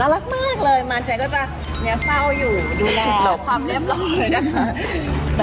น่ารักมากเลยบ้านชัยก็จะเซาอยู่ดูแลความเรียบร้อยนะฮะ